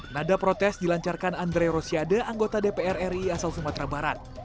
nada protes dilancarkan andre rosiade anggota dpr ri asal sumatera barat